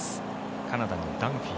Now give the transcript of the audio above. カナダのダンフィー。